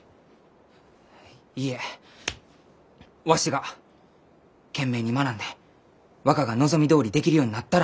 いいえわしが懸命に学んで若が望みどおりできるようになったら。